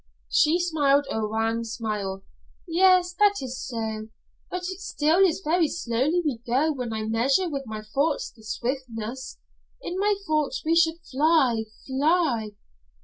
She smiled a wan smile. "Yes, that is so. But it still is very slowly we go when I measure with my thoughts the swiftness. In my thoughts we should fly fly!"